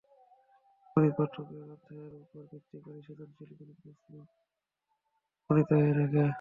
গণিত পাঠ্যবইয়ের অধ্যায়ের ওপর ভিত্তি করেই সৃজনশীল গণিত প্রশ্ন প্রণীত হয়ে থাকে।